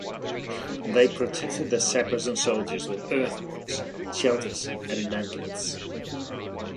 They protected their sappers and soldiers with earthworks, shelters and mantlets.